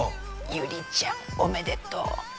「祐里ちゃんおめでとう」